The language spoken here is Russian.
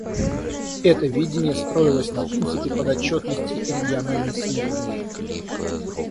Это видение строилось на принципе подотчетности и региональной синергии.